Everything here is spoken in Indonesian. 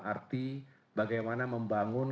arti bagaimana membangun